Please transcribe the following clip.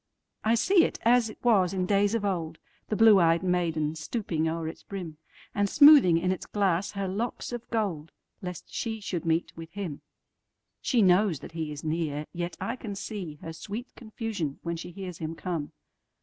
I see it as it was in days of old, The blue ey'd maiden stooping o'er its brim, And smoothing in its glass her locks of gold, Lest she should meet with him. She knows that he is near, yet I can seeHer sweet confusion when she hears him come.